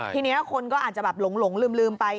ทีนี้คนก็อาจจะแบบหลงลืมไป